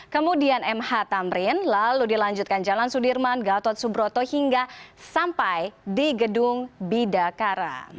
kemudian mh tamrin lalu dilanjutkan jalan sudirman gatot subroto hingga sampai di gedung bidakara